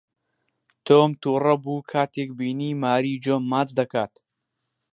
تۆم تووڕە بوو کاتێک بینی ماری جۆن ماچ دەکات.